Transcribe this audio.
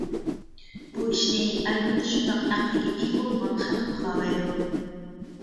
بۇ ئىشنى ئەلۋەتتە شۇنداق ئەقىلگە ئىگە بولغان خەلق قىلالايدۇ.